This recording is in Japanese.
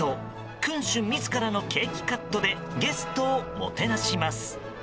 君主自らのケーキカットでゲストをもてなします。